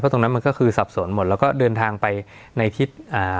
ตรงนั้นมันก็คือสับสนหมดแล้วก็เดินทางไปในทิศอ่า